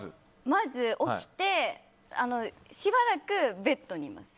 まず、起きてしばらくベッドにいます。